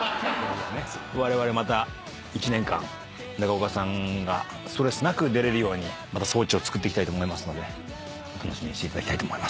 われわれまた１年間中岡さんがストレスなく出れるように装置を作っていきたいと思いますので楽しみにしていただきたいと思います。